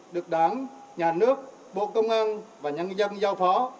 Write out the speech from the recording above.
được đảng nhà nước bộ công an và nhân dân giao phó